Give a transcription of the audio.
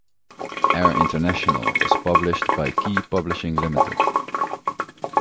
"Air International" is published by Key Publishing Limited.